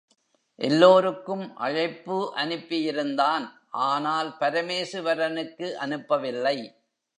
எல்லோருக்கும் அழைப்பு அனுப்பியிருந்தான் ஆனால் பரமேசுவரனுக்கு அனுப்பவில்லை.